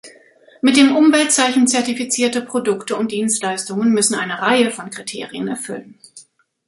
Mit dem Umweltzeichen zertifizierte Produkte und Dienstleistungen müssen eine Reihe von Kriterien erfüllen.